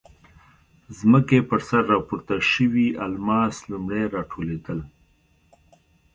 ځمکې پر سر راپورته شوي الماس لومړی راټولېدل.